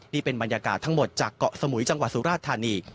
นี่เป็นบรรยากาศทั้งหมดจากเกาะสมุยจังหวัดสุราธานี